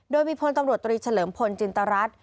โดยมีพลตำรวจตรีเฉลิมพลจินตรรัฐ